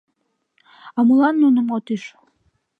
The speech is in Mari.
— А молан нуным от ӱж?